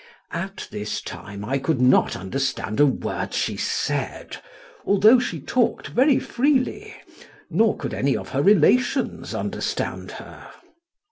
At this time I could not understand a word she said, although she talked very freely, nor could any of her relations understand her.